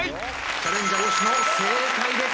チャレンジャー吉野正解です。